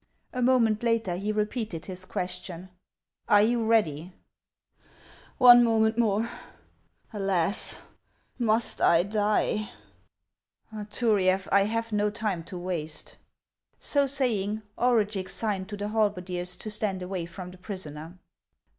A moment later he repeated his question :" Are you ready ?"" One moment more ! Alas ! must I die ?" 518 HANS OF ICELAND. " Turiaf, I have no time to waste." So saying, Orugix signed to the halberdiers to stand away from the prisoner.